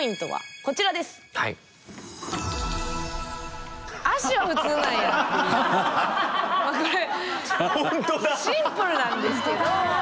これシンプルなんですけど。